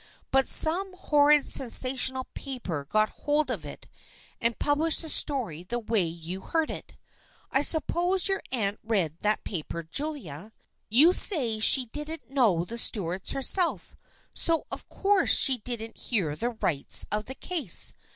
But some hor rid sensational paper got hold of it and published the story the way you heard it. I suppose your aunt read that paper, Julia. You say she didn't know the Stuarts herself, so of course she didn't hear the rights of the case.